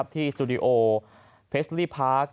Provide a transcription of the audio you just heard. สตูดิโอเพสลี่พาร์ค